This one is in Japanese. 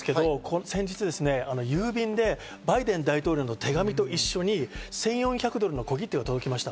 先日郵便でバイデン大統領の手紙と一緒に１４００ドルの小切手が届きました。